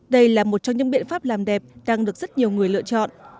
đây là một trong những biện pháp làm đẹp đang được rất nhiều người lựa chọn